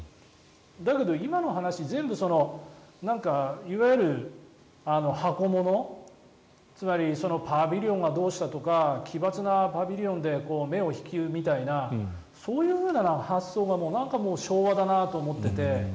だけど、今の話全部、いわゆる箱物つまりパビリオンがどうしたとか奇抜なパビリオンで目を引くみたいなそういう発想がなんかもう、昭和だなと思っていて。